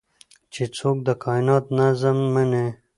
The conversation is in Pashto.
چې څوک د کائنات نظم مني